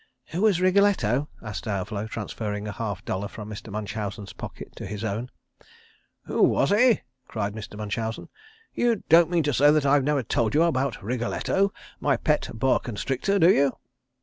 "Who was Wriggletto?" asked Diavolo, transferring a half dollar from Mr. Munchausen's pocket to his own. "Who was he?" cried Mr. Munchausen. "You don't mean to say that I have never told you about Wriggletto, my pet boa constrictor, do you?"